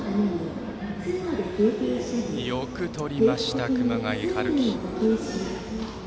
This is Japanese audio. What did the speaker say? よくとりました、熊谷陽輝。